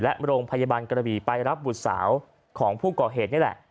และโรงพยาบาลกระบี่ไปรับบุตรสาวของผู้ก่อเหตุนี่แหละ